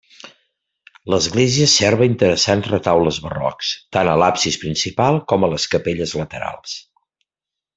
L'església serva interessants retaules barrocs, tant a l'absis principal com a les capelles laterals.